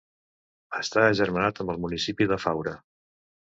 Està agermanat amb el municipi de Faura.